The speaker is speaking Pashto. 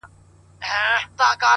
• شاوخوا ټولي سيمي ـ